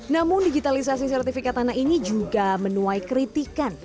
namun digitalisasi sertifikat tanah ini juga menuai kritikan